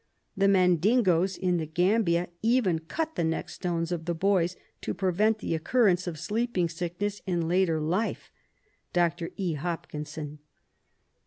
The Mandingoes in the Gambia even cut the "neck stones" of the boys to prevent the occurrence of sleeping sickness in later life! (Dr. E. Hopkinson.)